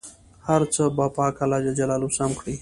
هر څه به پاک الله جل جلاله سم کړي.